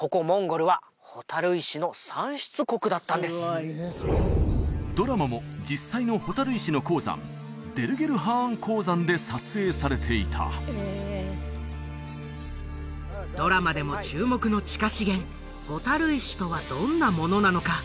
なんとドラマも実際の蛍石の鉱山デルゲルハーン鉱山で撮影されていたドラマでも注目の地下資源蛍石とはどんなものなのか？